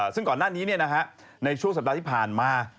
ซึ่งก่อนหน้านี้ในช่วงสัปดาห์ที่ผ่านมา